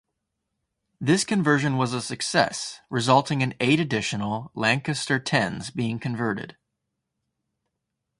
This conversion was a success resulting in eight additional Lancaster Xs being converted.